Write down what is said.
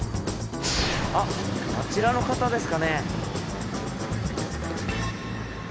あっあちらの方ですかね。